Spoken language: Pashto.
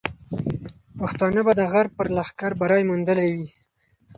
پښتانه به د غرب پر لښکر بری موندلی وي.